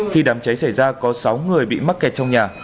khi đám cháy xảy ra có sáu người bị mắc kẹt trong nhà